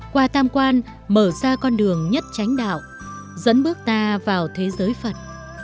qua tam quan mở ra con đường nhất tránh đạo dẫn bước ta vào thế giới phật